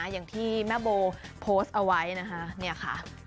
อย่างที่แม่โบโพสต์เอาไว้นะคะ